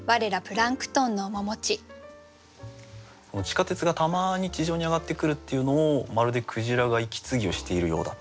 地下鉄がたまに地上に上がってくるっていうのをまるで鯨が息継ぎをしているようだっていう。